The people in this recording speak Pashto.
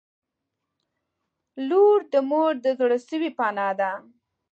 • لور د مور د زړسوي پناه ده.